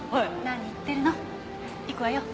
何言ってるの行くわよ。